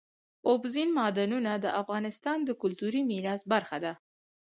اوبزین معدنونه د افغانستان د کلتوري میراث برخه ده.